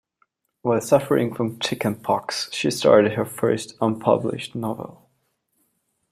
While suffering from chickenpox, she started her first, unpublished, novel.